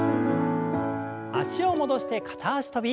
脚を戻して片脚跳び。